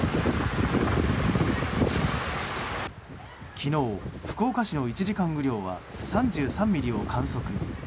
昨日、福岡市の１時間雨量は３３ミリを観測。